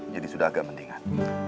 jadi sudah agak mendingan